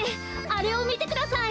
あれをみてください。